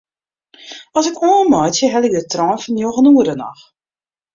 As ik oanmeitsje helje ik de trein fan njoggen oere noch.